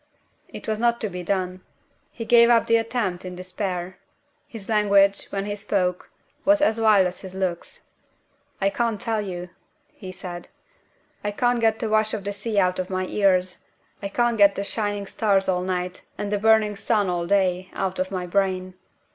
It was not to be done. He gave up the attempt in despair. His language, when he spoke, was as wild as his looks. "I can't tell you," he said. "I can't get the wash of the sea out of my ears. I can't get the shining stars all night, and the burning sun all day, out of my brain.